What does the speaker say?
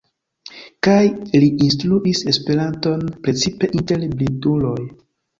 Kaj li instruis Esperanton, precipe inter blinduloj.